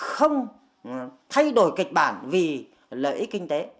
không thay đổi kịch bản vì lợi ích kinh tế